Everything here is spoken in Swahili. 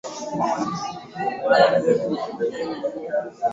kabla ya kumuachia usukani rais muteule dirma ruzeo